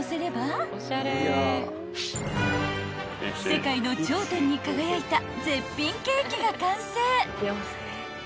［世界の頂点に輝いた絶品ケーキが完成］